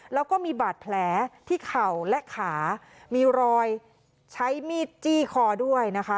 แล้วก็มีบาดแผลที่เข่าและขามีรอยใช้มีดจี้คอด้วยนะคะ